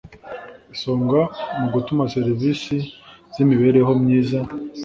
isonga mu gutuma serivisi z imibereho myiza